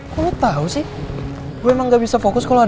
kalau kau tau sih gue emang gak bisa fokus kalau ada lu